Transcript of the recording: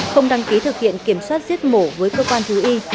không đăng ký thực hiện kiểm soát giết mổ với cơ quan thú y